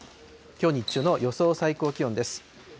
きょう日中の予想最高気温です。